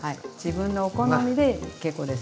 自分のお好みで結構です。